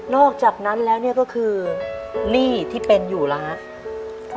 อกจากนั้นแล้วเนี่ยก็คือหนี้ที่เป็นอยู่แล้วครับ